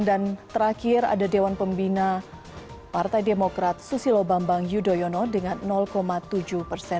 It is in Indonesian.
dan terakhir ada dewan pembina partai demokrat susilo bambang yudhoyono dengan tujuh persen